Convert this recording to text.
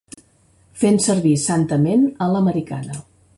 Fent servir santament a l'americana.